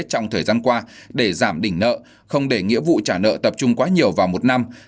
trong thời gian qua để giảm đỉnh nợ không để nghĩa vụ trả nợ tập trung quá nhiều vào một năm